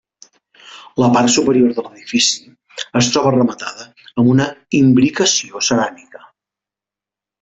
La part superior de l'edifici es troba rematada amb una imbricació ceràmica.